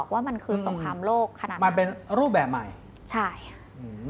ว่าเป็นรูปแบบใหม่